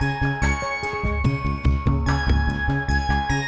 kamu bener soal kang obang